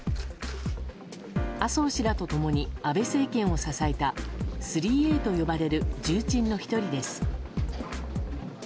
麻生氏らと共に安倍政権を支えた３Ａと呼ばれる重鎮の１人です。